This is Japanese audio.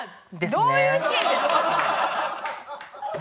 どういうシーンですか？